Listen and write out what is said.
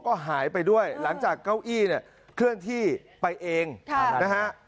ก็หายไปด้วยหลังจากเก้าอี้เนี่ยเคลื่อนที่ไปเองนะฮะ